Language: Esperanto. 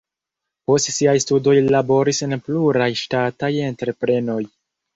Post siaj studoj li laboris en pluraj ŝtataj entreprenoj.